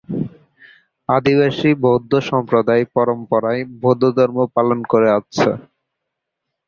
আদিবাসী বৌদ্ধ সম্প্রদায় পরম্পরায় বৌদ্ধধর্ম পালন করে আসছে।